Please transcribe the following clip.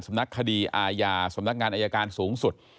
นักคดีอาญาสำนักงานอายการสูงสุด